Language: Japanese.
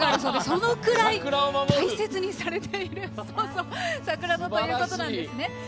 そのくらい大切にされている桜だということなんですね。